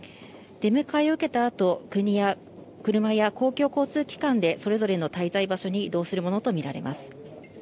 出迎えを受けたあと車や公共交通機関でそれぞれの滞在場所に移動するものと見られます。